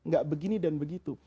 gak begini dan begitu